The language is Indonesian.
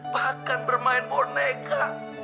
bahkan bermain boneka